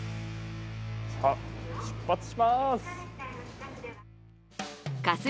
さあ、出発します！